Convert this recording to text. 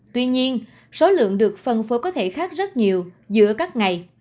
tuy nhiên số lượng được phân phối có thể khác rất nhiều giữa các ngày